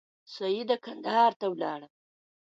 سیده کندهار ته ولاړم.